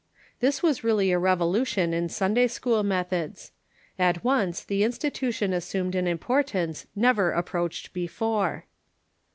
This was really a revolution in Sunday school methods. At once the institution assumed an importance never approached before.